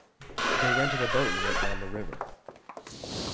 They rented a boat and went down the river.